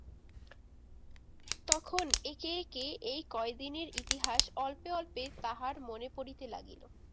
তখন একে একে এই কয়দিনের ইতিহাস অল্পে অল্পে তাঁহার মনে পড়িতে লাগিল।